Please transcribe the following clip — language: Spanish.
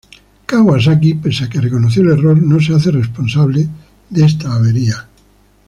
Kawasaki pese a que reconoció el error, no se hace responsable de esta avería.